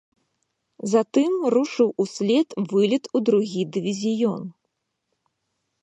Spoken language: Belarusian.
Затым рушыў услед вылет у другі дывізіён.